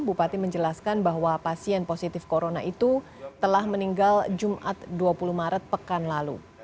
bupati menjelaskan bahwa pasien positif corona itu telah meninggal jumat dua puluh maret pekan lalu